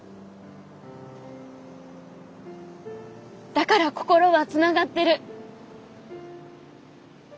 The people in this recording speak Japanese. だから心はつながってる。